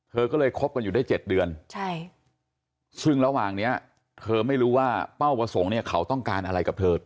เธอก็เลยคบกันอยู่ได้๗เดือนซึ่งระหว่างนี้เธอไม่รู้ว่าเป้าประสงค์เนี่ยเขาต้องการอะไรกับเธอ